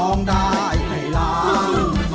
ร้องได้ให้ล้าน